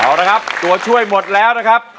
เอาละครับตัวช่วยหมดแล้วนะครับ